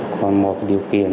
còn một điều kiện